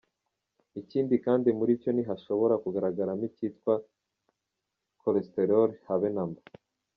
ikindi kandi muri cyo ntihashobora kugaragaramo icyitwa cholesterole habe na mba.